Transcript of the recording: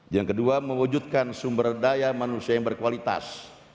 yang kedua mewujudkan sumber daya manusia yang berkualitas